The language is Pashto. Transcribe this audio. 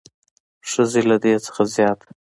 ښځې له دې څخه زیات